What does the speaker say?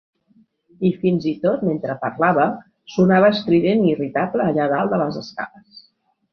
I fins i tot mentre parlava, sonava estrident i irritable allà dalt de les escales.